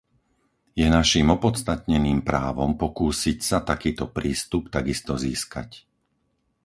Je naším opodstatneným právom pokúsiť sa takýto prístup takisto získať.